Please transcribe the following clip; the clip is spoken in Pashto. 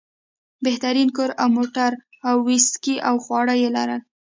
بهترین کور او موټر او ویسکي او خواړه یې لرل.